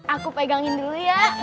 aku pegangin dulu ya